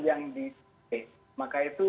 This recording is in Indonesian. yang diperhatikan maka itu